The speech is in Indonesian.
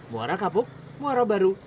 muara kapuk muara baru